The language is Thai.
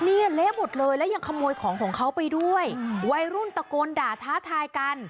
เละหมดเลยแล้วยังขโมยของของเขาไปด้วยวัยรุ่นตะโกนด่าท้าทายกัน